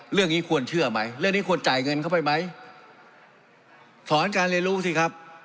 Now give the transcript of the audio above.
เรื่องนี้ควรเชื่อไหมเรื่องนี้ควรจ่ายเงินเข้าไปไหมสอนการเรียนรู้สิครับ